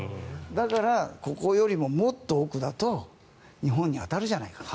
だから、ここよりももっと奥だと日本に当たるじゃないかと。